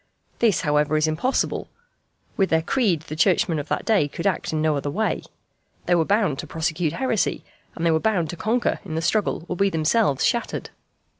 This, however, is impossible. With their creed the Churchmen of that day could act in no other way. They were bound to prosecute heresy, and they were bound to conquer in the struggle or be themselves shattered.